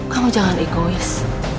kamu jangan egois